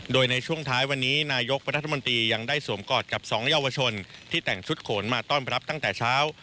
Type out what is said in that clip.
โดยในช่วงท้ายวันนี้นายกรัฐมนตรียังได้สวมกอดกับสองเยาวชนที่แต่งชุดโขนมาต้อนรับตั้งแต่เช้า